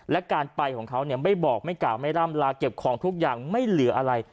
และการไปของเขาไม่บอกไม่กล่าวไม่ร่ำลาเก็บของทุกอย่างไม่เหลืออะไร